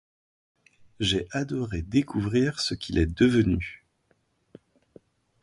J’ai adoré découvrir ce qu’il est devenu.